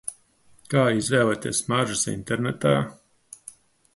Kā izvēlēties smaržas internetā?